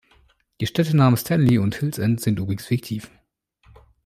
Die Städtenamen "Stanley" und "Hills End" sind übrigens fiktiv.